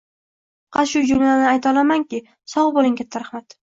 Faqat shu jumlalarni ayta olamanki, sogʻ boʻling, katta rahmat!